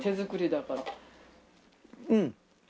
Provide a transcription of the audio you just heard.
うん。